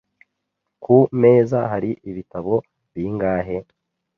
Ku meza hari ibitabo bingahe?